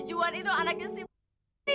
dadah aja deh kamuli